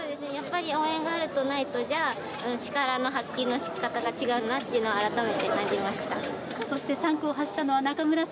応援があるとないとじゃ、力の発揮のしかたが違うなって、改めて感じました。